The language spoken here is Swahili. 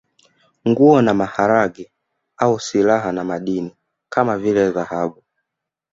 Nguo na maharage au silaha na madini kama vile dhahabu